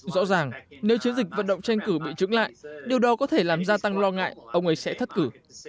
rõ ràng nếu chiến dịch vận động tranh cử bị trứng lại điều đó có thể làm gia tăng lo ngại ông ấy sẽ thất cử